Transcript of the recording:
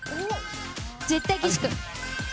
絶対、岸君。